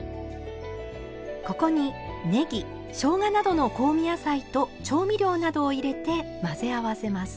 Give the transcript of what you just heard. ここにねぎしょうがなどの香味野菜と調味料などを入れて混ぜ合わせます。